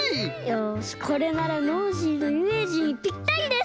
よしこれならノージーのイメージにぴったりです！